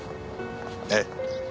ええ。